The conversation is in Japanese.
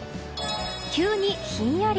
急にひんやり。